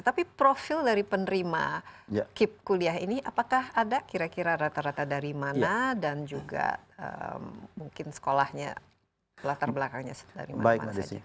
tapi profil dari penerima kip kuliah ini apakah ada kira kira rata rata dari mana dan juga mungkin sekolahnya latar belakangnya dari mana mana saja